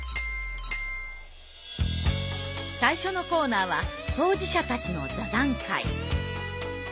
最初のコーナーは当事者たちの座談会。